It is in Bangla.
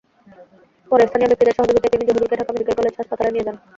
পরে স্থানীয় ব্যক্তিদের সহযোগিতায় তিনি জহিরুলকে ঢাকা মেডিকেল কলেজ হাসপাতালে নিয়ে যান।